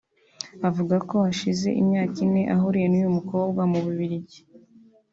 Avuga ko hashize imyaka ine ahuriye n’uyu mukobwa mu Bibiligi